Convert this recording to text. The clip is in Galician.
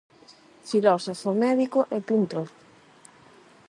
Filósofo, médico e pintor.